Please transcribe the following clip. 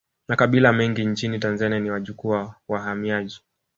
Makabila mengi nchini tanzania ni wajukuu wa wahamiaji